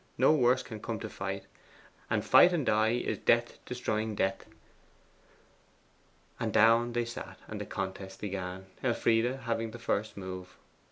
no worse can come to fight; And fight and die, is death destroying death!" And down they sat, and the contest began, Elfride having the first move.